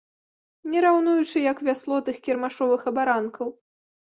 Не раўнуючы як вясло тых кірмашовых абаранкаў.